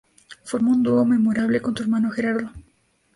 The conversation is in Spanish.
Formó un dúo memorable con su hermano Gerardo.